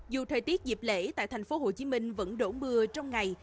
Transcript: dù thời tiết dịp lễ tại tp hcm vẫn đổ mưa trong ngày